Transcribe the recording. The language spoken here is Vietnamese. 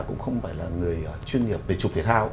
cũng không phải là người chuyên nghiệp về chụp thể thao